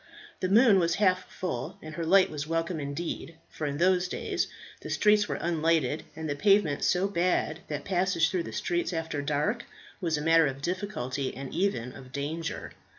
The moon was half full, and her light was welcome indeed, for in those days the streets were unlighted, and the pavement so bad that passage through the streets after dark was a matter of difficulty, and even of danger.